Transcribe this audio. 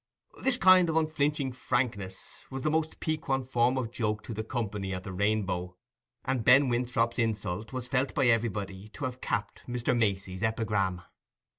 This kind of unflinching frankness was the most piquant form of joke to the company at the Rainbow, and Ben Winthrop's insult was felt by everybody to have capped Mr. Macey's epigram.